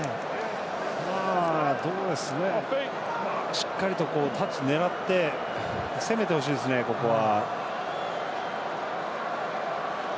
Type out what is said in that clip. しっかりとタッチ狙って攻めてほしいですね、ここは。